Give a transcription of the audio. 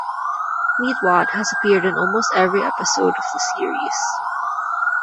Meatwad has appeared in almost every episode of the series.